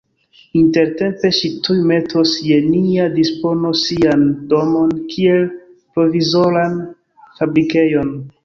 Intertempe ŝi tuj metos je nia dispono sian domon kiel provizoran fabrikejon.